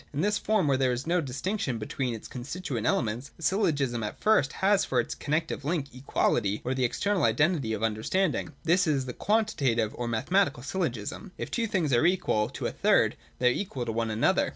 In this form, where there is no dis tinction between its constituent elements, the syllogism at first has for its connective link equality, or the external identity of understanding. This is the Quantitative or Mathematical Syllogism : if two things are equal to a third, they are equal to one another.